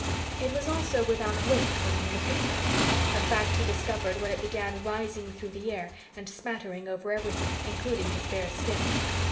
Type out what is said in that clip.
It was also without weight when in liquid form a fact he discovered when it began rising through the air and spattering over everything, including his bare skin.